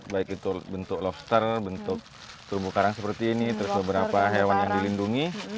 baik itu bentuk lobster bentuk terumbu karang seperti ini terus beberapa hewan yang dilindungi